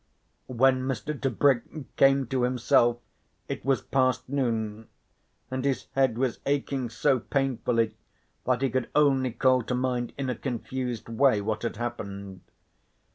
When Mr. Tebrick came to himself it was past noon, and his head was aching so painfully that he could only call to mind in a confused way what had happened.